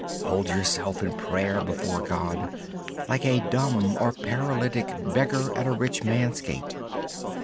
Hold yourself in prayer before God, like a dumb or paralytic beggar at a rich man's gate.